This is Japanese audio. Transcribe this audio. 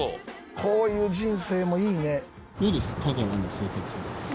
こういう人生もいいね。